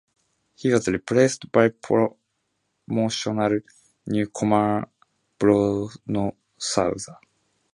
He was replaced by promotional newcomer Bruno Souza.